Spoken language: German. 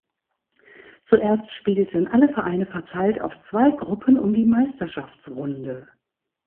Zuerst spielten alle Vereine verteilt auf zwei Gruppen um die Meisterschaftsrunde.